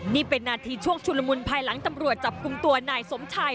นี่เป็นนาทีช่วงชุลมุนภายหลังตำรวจจับกลุ่มตัวนายสมชัย